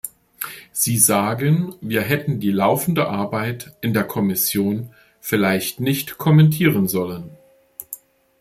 Sie sagen, wir hätten die laufende Arbeit in der Kommission vielleicht nicht kommentieren sollen.